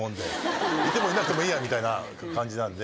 いてもいなくてもいいやみたいな感じなんで。